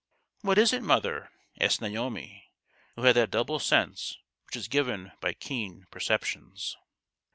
" What is it, mother ?" asked Naomi, who had that double sense which is given by keen perceptions.